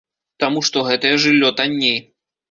Таму што гэтае жыллё танней.